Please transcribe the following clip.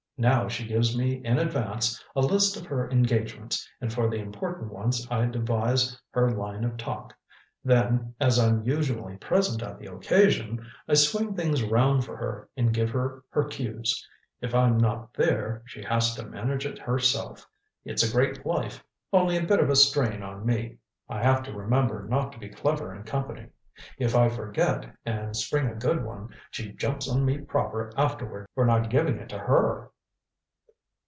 Now, she gives me in advance a list of her engagements, and for the important ones I devise her line of talk. Then, as I'm usually present at the occasion, I swing things round for her and give her her cues. If I'm not there, she has to manage it herself. It's a great life only a bit of a strain on me. I have to remember not to be clever in company. If I forget and spring a good one, she jumps on me proper afterward for not giving it to her."